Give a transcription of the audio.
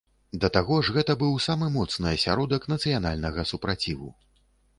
Да таго ж гэта быў самы моцны асяродак нацыянальнага супраціву.